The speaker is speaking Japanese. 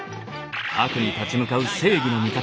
悪に立ち向かう正義の味方。